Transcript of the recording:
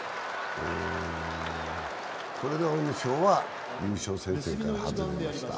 これで阿武咲は優勝戦線から外れました。